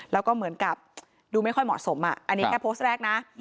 แล้วก็เหมือนกับดูไม่ค่อยเหมาะสมอันนี้แค่โพสต์แรกนะ